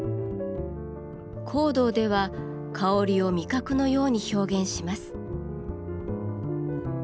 香道では香りを味覚のように表現します。